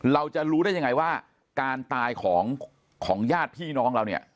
เราจะรู้ได้ยังไงว่าการตายของญาติพี่น้องเราเนี่ย